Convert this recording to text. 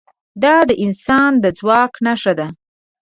دا د انسان د ځواک نښه ده.